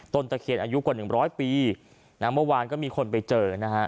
ตะเคียนอายุกว่าหนึ่งร้อยปีนะเมื่อวานก็มีคนไปเจอนะฮะ